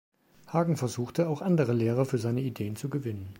Hagen versuchte auch andere Lehrer für seine Ideen zu gewinnen.